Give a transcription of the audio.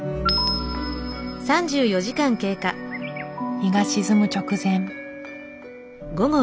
日が沈む直前。